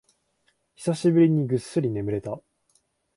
久しぶりにぐっすり眠れた